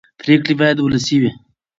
پرېکړې باید ولسي وي